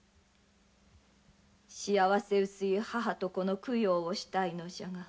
幸せうすい母と子の供養をしたいのじゃが。